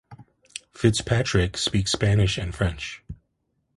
Fitzpatrick speaks Spanish and French.